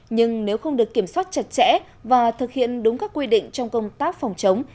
nhưng nếu không được kiểm soát chặt chẽ và thực hiện đúng các quy định trong công tác phòng chống